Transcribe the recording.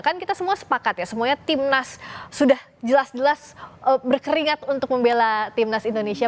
kan kita semua sepakat ya semuanya timnas sudah jelas jelas berkeringat untuk membela timnas indonesia